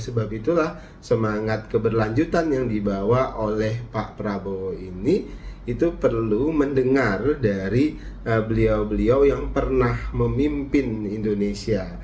sebab itulah semangat keberlanjutan yang dibawa oleh pak prabowo ini itu perlu mendengar dari beliau beliau yang pernah memimpin indonesia